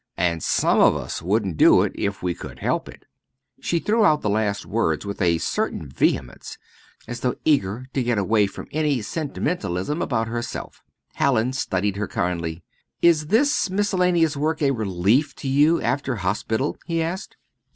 And some of us wouldn't do it if we could help it." She threw out the last words with a certain vehemence, as though eager to get away from any sentimentalism about herself. Hallin studied her kindly. "Is this miscellaneous work a relief to you after hospital?" he asked.